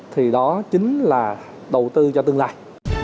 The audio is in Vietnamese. thì đó chính là đầu tư cho tương lai